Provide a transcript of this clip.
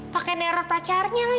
pakai neror pacarnya lagi